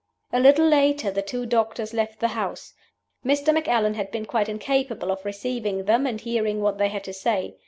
"A little later the two doctors left the house. Mr. Macallan had been quite incapable of receiving them and hearing what they had to say.